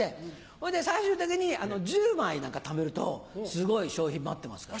ほいで最終的に１０枚ためるとすごい賞品待ってますから。